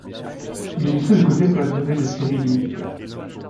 Il est laissé de côté pour la durée des séries éliminatoires.